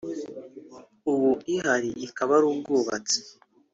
ubu ihari ikaba ari ubwubatsi